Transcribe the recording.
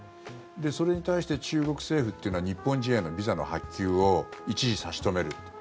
それに対して中国政府というのは日本人へのビザの発給を一時差し止めるって。